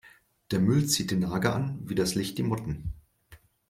Der Müll zieht die Nager an wie das Licht die Motten.